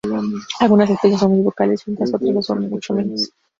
Algunas especies son muy vocales, mientras otras lo son mucho menos.